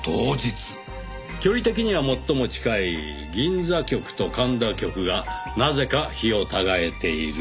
距離的には最も近い銀座局と神田局がなぜか日を違えている。